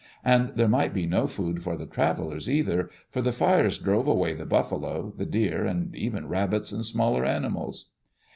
And there might be no food for the travelers either, for the fires drove away the buffalo, the deer, and even rabbits and smaller animals.